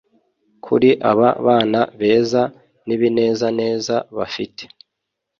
kuri aba bana beza nibinezeza bafite